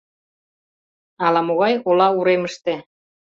— Ала-могай ола уремыште.